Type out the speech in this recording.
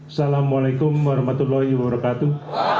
assalamu'alaikum warahmatullahi wabarakatuh